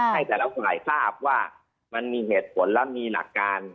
ให้แต่ละฝ่ายทราบว่ามันมีเหตุผลและมีหลักการ